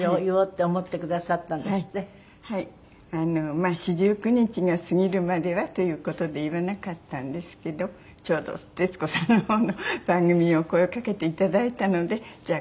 まあ四十九日が過ぎるまではという事で言わなかったんですけどちょうど徹子さんの方の番組にお声をかけていただいたのでじゃあ